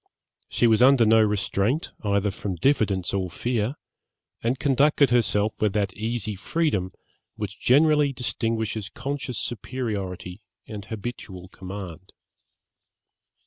She was under no restraint, either from diffidence or fear, and conducted herself with that easy freedom which generally distinguishes conscious superiority and habitual command.